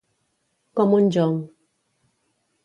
Com un jonc.